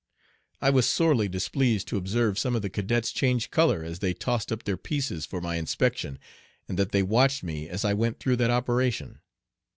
I was sorely displeased to observe some of the cadets change color as they tossed up their pieces for my inspection, and that they watched me as I went through that operation.